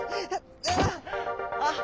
あっ！